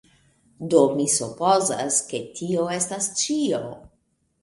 Do, mi supozas ke tio estas ĉio.